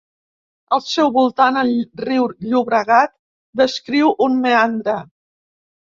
Al seu voltant, el riu Llobregat descriu un meandre.